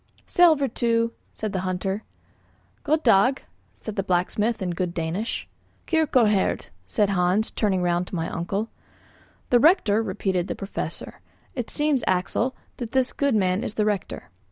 "Sællvertu," said the hunter. "God dag," said the blacksmith in good Danish. "Kyrkoherde," said Hans, turning round to my uncle. "The rector," repeated the Professor. "It seems, Axel, that this good man is the rector."